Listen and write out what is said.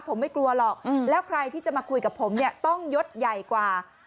ผมไม่กลัวหรอกแล้วใครที่จะมาคุยกับผมเนี่ยต้องยดใหญ่กว่า